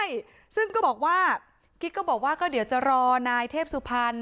ใช่ซึ่งกิ๊กก็บอกว่าเดี๋ยวจะรอนายเทพสุพรรณ